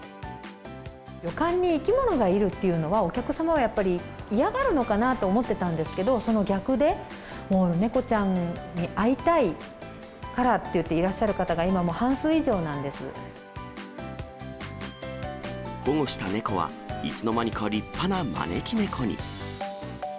旅館に生き物がいるっていうのは、お客様はやっぱり、嫌がるのかなと思ってたんですけど、その逆で、もう猫ちゃんに会いたいからっていっていらっしゃる方が今も半数保護した猫は、いつの間にか立派な招き猫に。